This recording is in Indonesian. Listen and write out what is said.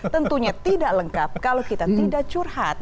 tentunya tidak lengkap kalau kita tidak curhat